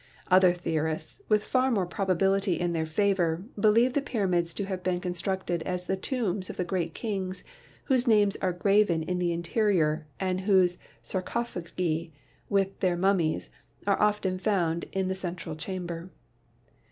Other theorists, with far more prob ability in their favor, believe the pyramids to have been constructed as the tombs of the great kings whose names are graven in the interior and whose sarcophagi (with their mummies) are often found in the central chamber.